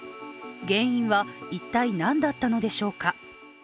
原因は一体、何だったのでしょうか。